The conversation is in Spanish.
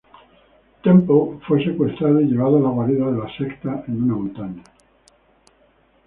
Temple fue secuestrado y llevado a la guarida de la secta en una montaña.